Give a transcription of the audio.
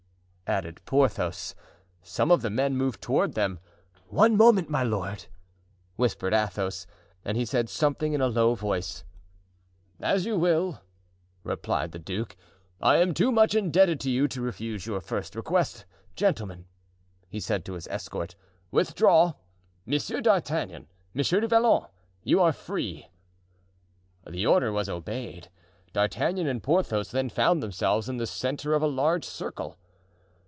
added Porthos. Some of the men moved toward them. "One moment, my lord," whispered Athos, and he said something in a low voice. "As you will," replied the duke. "I am too much indebted to you to refuse your first request. Gentlemen," he said to his escort, "withdraw. Monsieur d'Artagnan, Monsieur du Vallon, you are free." The order was obeyed; D'Artagnan and Porthos then found themselves in the centre of a large circle.